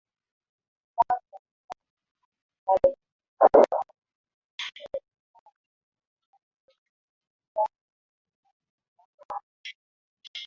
kwanza kwa lugha ya Gikuyu ambalo liliitwa MuiguitaaniKutokana na kuhusishwa na harakati za